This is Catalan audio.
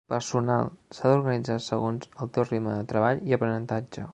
Personal: s'ha d’organitzar segons el teu ritme de treball i aprenentatge.